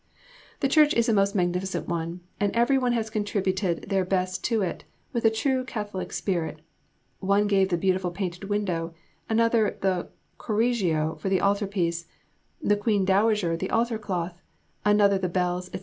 The church is a most magnificent one, and every one has contributed their best to it, with a true Catholic spirit; one gave the beautiful painted window, another the Correggio for the Altar piece, the Queen Dowager the Altar cloth, another the bells, &c.